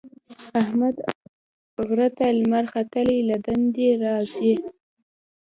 احمد غره ته لمر ختلی له دندې ارځي.